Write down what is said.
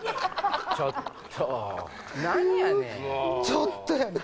ちょっと何やねん。